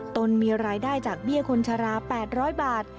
นมีรายได้จากเบี้ยคนชะลา๘๐๐บาท